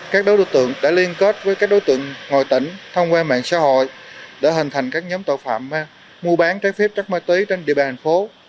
các đối tượng đã liên kết với các đối tượng ngoài tỉnh thông qua mạng xã hội để hình thành các nhóm tội phạm mua bán trái phép chất ma túy trên địa bàn thành phố